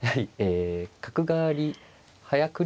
角換わり早繰り